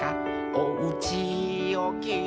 「おうちをきいても」